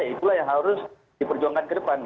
itulah yang harus diperjuangkan ke depan